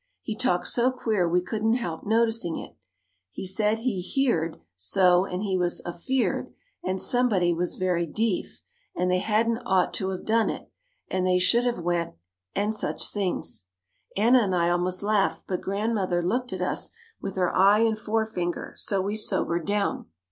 He talked so queer we couldn't help noticing it. He said he "heered" so and he was "afeered" and somebody was very "deef" and they "hadn't ought to have done it" and "they should have went" and such things. Anna and I almost laughed but Grandmother looked at us with her eye and forefinger so we sobered down.